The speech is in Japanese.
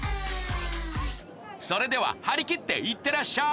それでは張り切っていってらっしゃい！